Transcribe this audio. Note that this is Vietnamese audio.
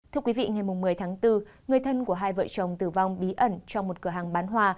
thưa quý vị ngày một mươi tháng bốn người thân của hai vợ chồng tử vong bí ẩn trong một cửa hàng bán hoa